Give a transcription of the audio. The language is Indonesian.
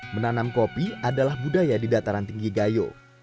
menanam kopi adalah budaya di dataran tinggi gayo